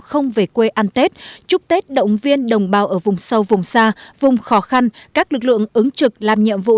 không về quê ăn tết chúc tết động viên đồng bào ở vùng sâu vùng xa vùng khó khăn các lực lượng ứng trực làm nhiệm vụ